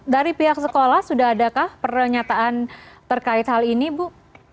dari pihak sekolah sudah adakah pernyataan terkait hal ini bu